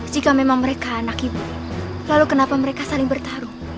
jika memang mereka anak itu lalu kenapa mereka saling bertarung